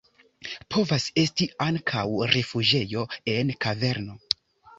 Povas esti ankaŭ rifuĝejo en kaverno.